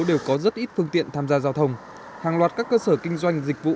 đều có rất ít phương tiện tham gia giao thông hàng loạt các cơ sở kinh doanh dịch vụ